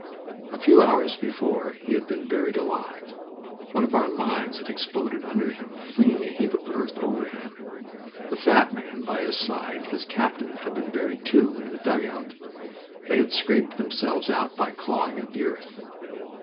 A few hours before he had been buried alive. One of our mines had exploded under him, flinging a heap of earth over him. The fat man by his side his captain had been buried, too, in the dugout. They had scraped themselves out by clawing at the earth.